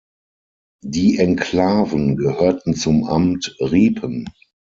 Die Enklaven gehörten zum Amt Ripen.